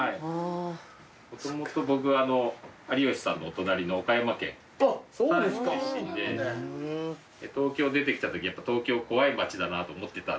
もともと僕有吉さんのお隣の岡山県出身で東京出てきたときやっぱ東京怖い街だなと思ってたんですよ。